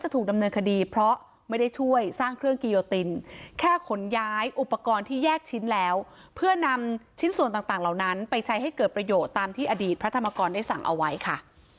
ถูกดำเนินคดีเพราะไม่ได้ช่วยสร้างเครื่องกิโยตินแค่ขนย้ายอุปกรณ์ที่แยกชิ้นแล้วเพื่อนำชิ้นส่วนต่างเหล่านั้นไปใช้ให้เกิดประโยชน์ตามที่อดีตพระธรรมกรได้สั่งเอาไว้ค่ะ